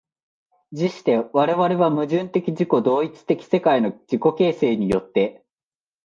而して我々は矛盾的自己同一的世界の自己形成によって、